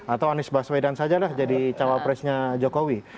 atau anies baswedan saja lah jadi cawapresnya jokowi